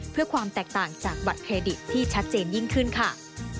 เพื่อความแตกต่างจากบัตรเครดิตที่ชัดเจนยิ่งขึ้นค่ะ